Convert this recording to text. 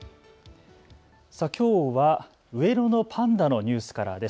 きょうは上野のパンダのニュースからです。